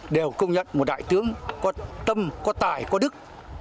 đều công nhận một đại tướng có tâm có tài có đức